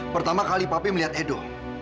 pertama kali papi melihat edo